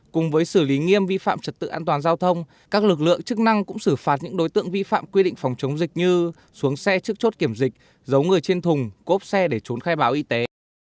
cùng với xử lý nghiêm vi phạm trật tự an toàn giao thông các lực lượng chức năng cũng xử phạt những đối tượng vi phạm quy định phòng chống dịch như xuống xe trước chốt kiểm dịch giấu người trên thùng cốp xe để trốn khai báo y tế